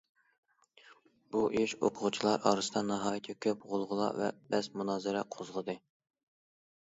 بۇ ئىش ئوقۇغۇچىلار ئارىسىدا ناھايىتى كۆپ غۇلغۇلا ۋە بەس- مۇنازىرە قوزغىدى.